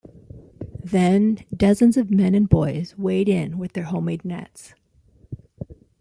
Then dozens of men and boys wade in with their homemade nets.